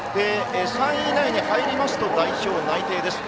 ３位以内で入ると代表内定です。